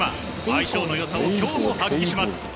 相性の良さを今日も発揮します。